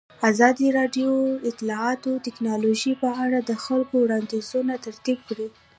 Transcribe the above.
ازادي راډیو د اطلاعاتی تکنالوژي په اړه د خلکو وړاندیزونه ترتیب کړي.